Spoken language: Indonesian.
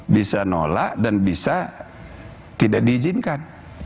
bisa nolak dan bisa tidak diizinkan